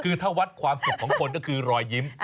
คือถ้าวัดความสุขของคนก็คือรอยยิ้ม